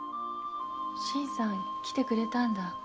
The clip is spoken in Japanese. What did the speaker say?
新さん来てくれたんだ。